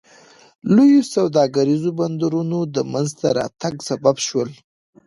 لویو سوداګریزو بندرونو د منځته راتګ سبب شول.